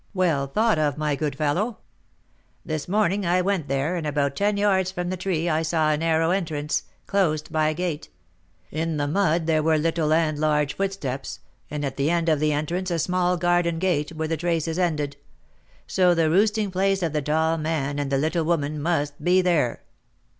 "Well thought of, my good fellow." "This morning I went there, and about ten yards from the tree I saw a narrow entrance, closed by a gate. In the mud there were little and large footsteps, and at the end of the entrance a small garden gate, where the traces ended; so the roosting place of the tall man and the little woman must be there."